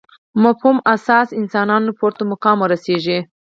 مفهوم اساس انسانان پورته مقام ورسېږي.